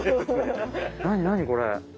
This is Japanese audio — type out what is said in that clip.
何何これ。